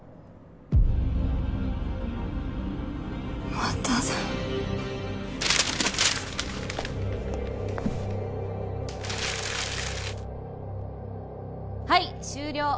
まただはい終了